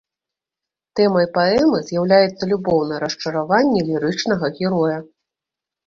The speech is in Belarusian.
Тэмай паэмы з'яўляецца любоўнае расчараванне лірычнага героя.